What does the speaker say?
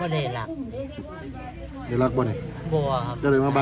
อันดับสุดท้ายก็คืออันดับสุดท้าย